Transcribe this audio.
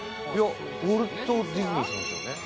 ウォルト・ディズニーさんじゃね？